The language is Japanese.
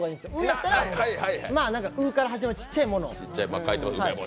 やったら「う」から始まるちっちゃいもの。